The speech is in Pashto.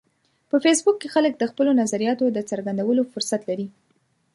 په فېسبوک کې خلک د خپلو نظریاتو د څرګندولو فرصت لري